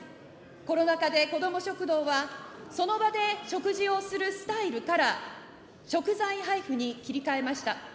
コロナ禍でこども食堂は、その場で食事をするスタイルから、食材配布に切り替えました。